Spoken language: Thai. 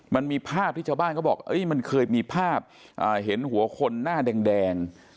มันมีภาพที่เจ้าบ้านเขาบอกเอ๊ะมันเคยมีภาพอ่าเห็นหัวคนหน้าแดงแดง